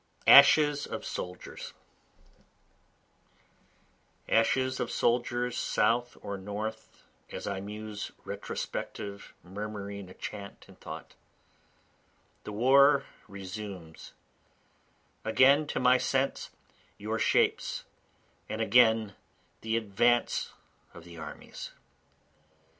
Ashes of Soldiers Ashes of soldiers South or North, As I muse retrospective murmuring a chant in thought, The war resumes, again to my sense your shapes, And again the advance of the armies.